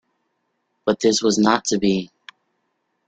But this was not to be.